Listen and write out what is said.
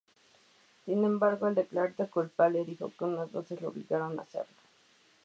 Sin embargo, al declararle culpable, dijo que unas voces lo obligaron a hacerlo.